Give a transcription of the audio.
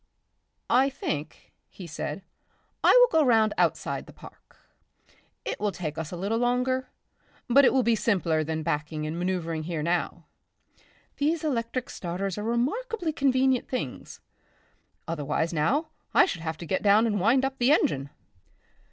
"I think," he said, "I will go round outside the park. It will take us a little longer, but it will be simpler than backing and manoeuvring here now.... These electric starters are remarkably convenient things. Otherwise now I should have to get down and wind up the engine."